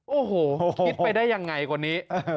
โอ้โหคิดไปได้ยังไงคนนี้